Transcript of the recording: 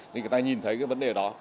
thì người ta nhìn thấy cái vấn đề đó